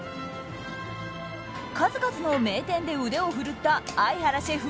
数々の名店で腕を振るった相原シェフ